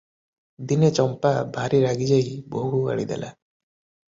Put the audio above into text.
ଦିନେ ଚମ୍ପା ଭାରି ରାଗିଯାଇ ବୋହୂକୁ ଗାଳିଦେଲା ।